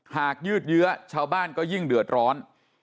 หากยืดเยอะชาวบ้านก็ยิ่งเดียวดร้อน